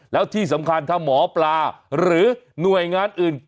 แล้วที่สำคัญถ้าหมอปลาหรือหน่วยงานอื่น